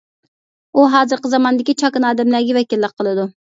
ئۇ ھازىرقى زاماندىكى چاكىنا ئادەملەرگە ۋەكىللىك قىلىدۇ.